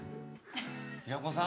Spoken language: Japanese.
平子さん？